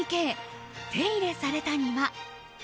手入れされた庭。